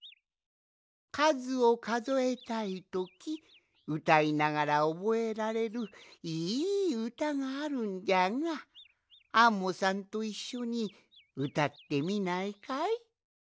かずをかぞえたいときうたいながらおぼえられるいいうたがあるんじゃがアンモさんといっしょにうたってみないかい？